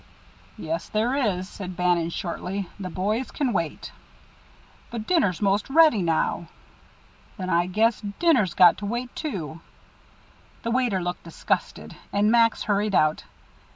"Yes, there is," said Bannon, shortly. "The boys can wait." "But dinner's most ready now." "Then I guess dinner's got to wait, too." The waiter looked disgusted, and Max hurried out.